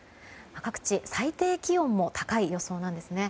各地、最低気温も高い予想なんですね。